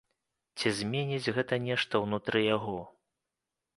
Ці зменіць гэта нешта ўнутры яго?